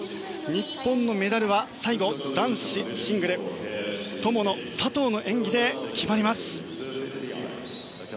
日本のメダルは最後男子シングル友野、佐藤の演技で決まります。